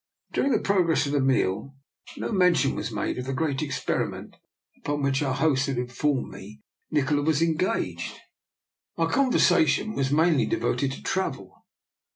During the progress of the meal no men tion was made of the great experiment upon which our host had informed me Nikola was engaged. Our conversation was mainly de voted to travel.